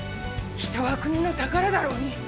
人は国の宝だろうに。